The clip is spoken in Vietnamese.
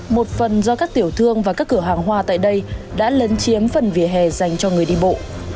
một phần do các tiểu thương và các cửa hàng hoa tại đây đã lấn chiếm phần vỉa hè dành cho người đi bộ